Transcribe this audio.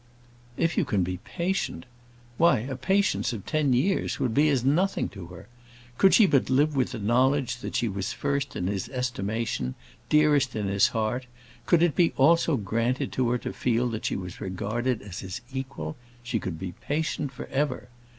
If you can be patient! Why, a patience of ten years would be as nothing to her. Could she but live with the knowledge that she was first in his estimation, dearest in his heart; could it be also granted to her to feel that she was regarded as his equal, she could be patient for ever.